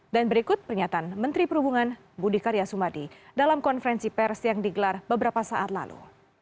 dan berikut pernyataan menteri perhubungan budi karya sumadi dalam konferensi pers yang digelar beberapa saat lalu